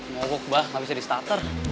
ngobok bah gak bisa di starter